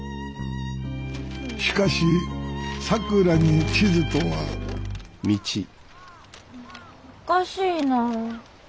しかしさくらに地図とはおかしいな。